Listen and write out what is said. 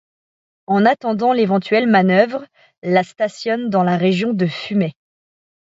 En attendant l'éventuelle manœuvre, la stationne dans la région de Fumay.